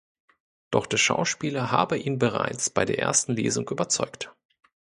Doch der Schauspieler habe ihn bereits bei der ersten Lesung überzeugt.